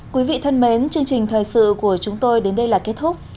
chương trình thời sự của chúng tôi đến đây là kết thúc